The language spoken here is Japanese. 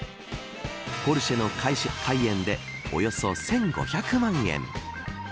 ポルシェのカイエンでおよそ１５００万円。